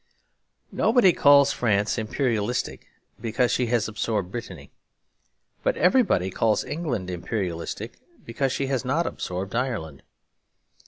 Nobody calls France imperialistic because she has absorbed Brittany. But everybody calls England imperialistic because she has not absorbed Ireland.